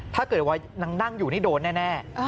ถ้าเกิดว่านางนั่งอยู่นี่โดนแน่